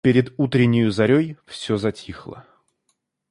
Перед утреннею зарей всё затихло.